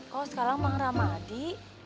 kok sekarang bang rahmadi